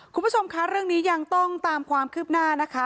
คุณผู้ชมคะเรื่องนี้ยังต้องตามความคืบหน้านะคะ